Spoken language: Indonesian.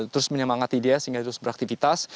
terus menyemangati dia sehingga terus beraktivitas